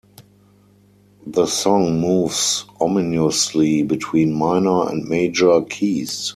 The song moves ominously between minor and major keys.